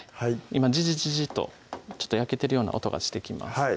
今ジジジジと焼けてるような音がしてきます